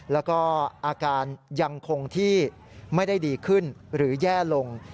แล้วก็อาการยังคงที่ไม่ได้ดีขึ้นหรือแย่ลง